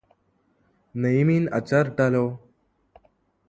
നെയ്മീൻ അച്ചാറിട്ടാലോ?